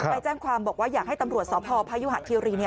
ไปแจ้งความบอกว่าอยากให้ตำรวจสพพยุหะคิรี